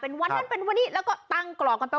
เป็นวันนั้นเป็นวันนี้แล้วก็ตั้งกรอกกันไป